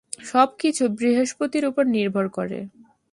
সব কিছু বৃহস্পতির ওপর নির্ভর করে।